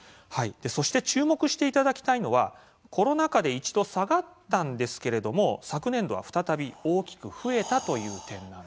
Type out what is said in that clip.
そして注目していただきたいのはコロナ禍で一度下がったんですけれども、昨年度は再び大きく増えたという点なんです。